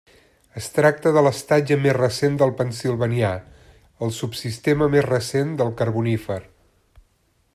Es tracta de l'estatge més recent del Pennsilvanià, el subsistema més recent del Carbonífer.